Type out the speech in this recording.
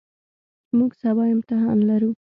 موږ سبا امتحان لرو.